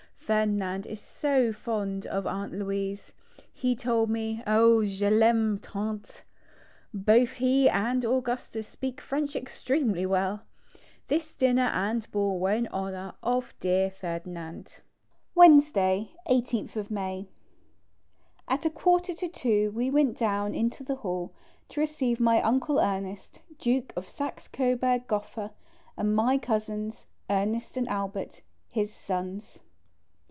Ferdinand is so fond of Aunt Louise. He told me :*' Oh, je Taime tant !" Both he and Augustus speak French extremely well. This dinner and ball were in honour of dear Ferdinand. Wednesday, iStk May. â ... At a J to 2 we went down into the Hall, to receive my Uncle Ernest, Duke of Saxe Coburg Gotha, and my Cousins, Ernest and Albert, his sons.